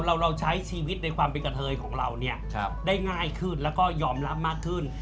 เราใช้ชีวิตในความเป็นกะเทยของเราเนี่ยได้ง่ายขึ้นแล้วก็ยอมรับมากขึ้น